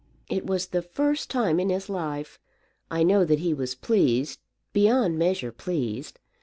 It was the first time in his life. I know that he was pleased, beyond measure pleased.